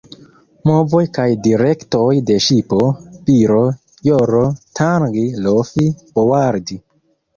Movoj kaj direktoj de ŝipo: biro, joro, tangi, lofi, boardi.